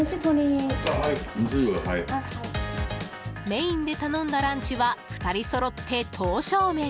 メインで頼んだランチは２人そろって、刀削麺。